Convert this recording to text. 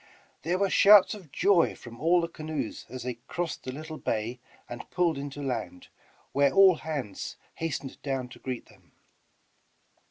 There were shouts of joy from all the canoes as they crassed the little bay and pulled into land, where all hands hastened down to greet them.